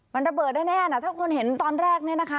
มันระเบิดแน่นะถ้าคนเห็นตอนแรกเนี่ยนะคะ